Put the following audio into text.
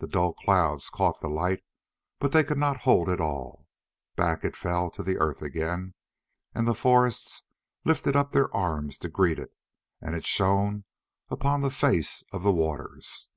The dull clouds caught the light, but they could not hold it all: back it fell to earth again, and the forests lifted up their arms to greet it, and it shone upon the face of the waters.